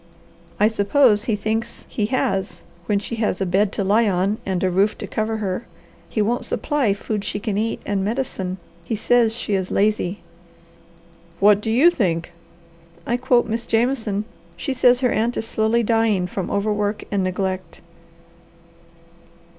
"I suppose he thinks he has when she has a bed to lie on and a roof to cover her. He won't supply food she can eat and medicine. He says she is lazy." "What do you think?" "I quote Miss Jameson. She says her aunt is slowly dying from overwork and neglect."